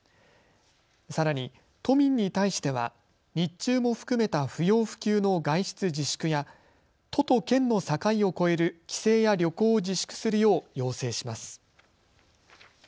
さらに都民に対しては日中も含めた不要不急の外出自粛や都と県の境を越える帰省や旅行を自粛するよう要請します。